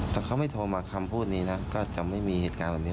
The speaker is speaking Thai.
แต่เขาไม่โทรมาคำพูดนี้นะก็จะไม่มีเหตุการณ์แบบนี้